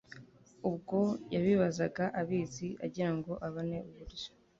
ubwo yabibazaga abizi, agira ngo abone uburyo